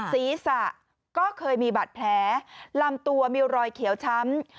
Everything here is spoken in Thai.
ศีรษะก็เคยมีบาดแผลลำตัวมีรอยเขียวช้ำ